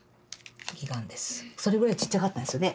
それぐらいちっちゃかったんですよね。